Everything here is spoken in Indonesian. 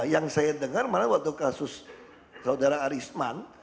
yang saya dengar malah waktu kasus saudara arisman